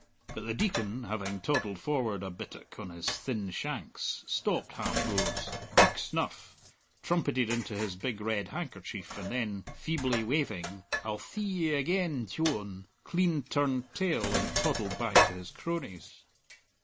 But the Deacon, having toddled forward a bittock on his thin shanks, stopped half roads, took snuff, trumpeted into his big red handkerchief, and then, feebly waving, "I'll thee ye again, Dyohn," clean turned tail and toddled back to his cronies.